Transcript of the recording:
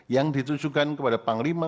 yang ditunjukkan kepada panglima